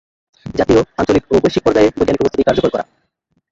জাতীয়, আঞ্চলিক ও বৈশ্বিক পর্যায়ে বৈজ্ঞানিক উপস্থিতি কার্যকর করা।